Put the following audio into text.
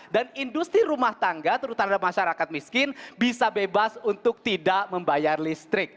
dan industri rumah tangga terutama masyarakat miskin bisa bebas untuk tidak membayar listrik